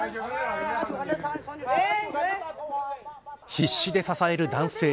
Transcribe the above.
必死で支える男性。